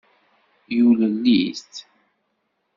Yulel-it.